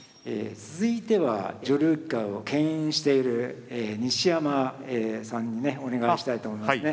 続いては女流棋界をけん引している西山さんにねお願いしたいと思いますね。